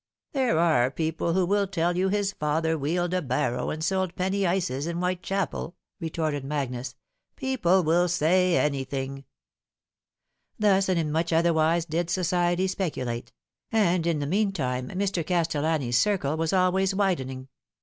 " There are people who will tell you bis father wheeled a barrow and sold penny ices in Whitechapel," retorted Magnus. " People wil say anything." A Wife and no Wife. 135 Thus and in much otherwise did society speculate ; and in the meantime Mr. Castellani's circle was always widening.